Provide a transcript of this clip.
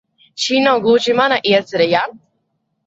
Šī nav gluži mana iecere, ja?